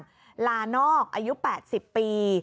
ลานอกอายุ๘๐ปี